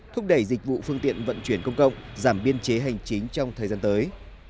thúc đẩy dịch vụ phương tiện vận chuyển công cộng giảm biên chế hành chính trong thời gian tới